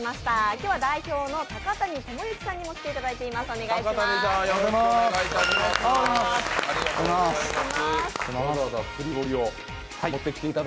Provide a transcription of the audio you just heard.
今日は代表の高谷知幸さんにも来ていただきました。